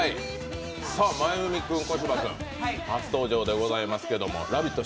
真弓君、小柴君、初登場でございますけど「ラヴィット！」